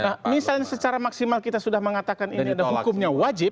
nah misalnya secara maksimal kita sudah mengatakan ini ada hukumnya wajib